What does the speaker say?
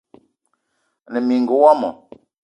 Ane mininga womo